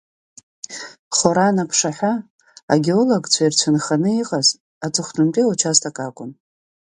Хоран аԥшаҳәа агеологцәа ирцәынханы иҟаз аҵыхәтәантәи аучасток акәын.